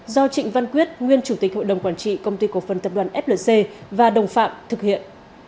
do trịnh văn quyết nguyên chủ tịch hội đồng quản trị công ty cổ phần tập đoàn flc và đồng phạm thực hiện